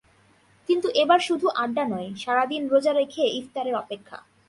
কিন্তু এবার শুধু আড্ডা নয়, সারা দিন রোজা রেখে ইফতারের অপেক্ষা।